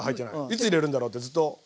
いつ入れるんだろうってずっと。